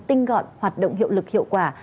tinh gọn hoạt động hiệu lực hiệu quả